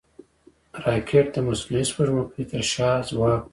راکټ د مصنوعي سپوږمکۍ تر شا ځواک دی